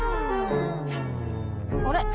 あれ？